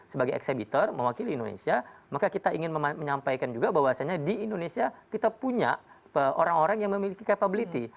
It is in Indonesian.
sebagai eksebitor mewakili indonesia maka kita ingin menyampaikan juga bahwasannya di indonesia kita punya orang orang yang memiliki capability